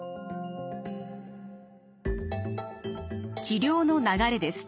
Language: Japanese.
治療の流れです。